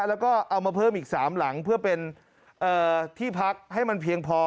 แล้วก็เอามาเพิ่มอีก๓หลังเพื่อเป็นที่พักให้มันเพียงพอ